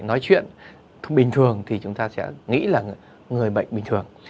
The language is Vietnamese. nói chuyện bình thường thì chúng ta sẽ nghĩ là người bệnh bình thường